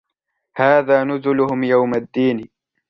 هَذَا نُزُلُهُمْ يَوْمَ الدِّينِ